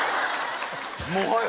もはや。